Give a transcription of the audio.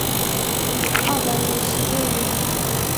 两百五十日圆